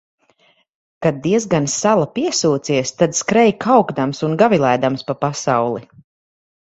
Kad diezgan sala piesūcies, tad skrej kaukdams un gavilēdams pa pasauli.